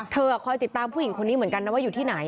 คอยติดตามผู้หญิงคนนี้เหมือนกันนะว่าอยู่ที่ไหน